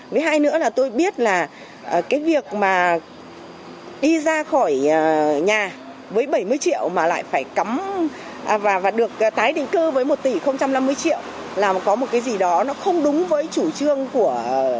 với hai nữa là tôi biết là cái việc mà đi ra khỏi nhà với bảy mươi triệu mà lại phải cấm và được tái định cư với một tỷ không trăm năm mươi triệu là có một cái gì đó nó không đúng với chủ trương của một nghìn chín trăm linh bảy